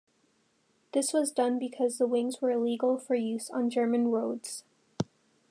This was done because the wings were illegal for use on German roads.